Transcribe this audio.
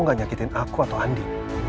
gak nyakitin aku atau andi